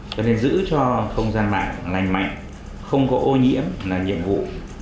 cho nên giữ cho không gian mạng lành mạnh không có ô nhiễm là nhiệm vụ